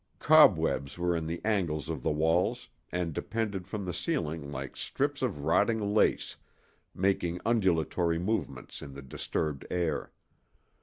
Cobwebs were in the angles of the walls and depended from the ceiling like strips of rotting lace, making undulatory movements in the disturbed air.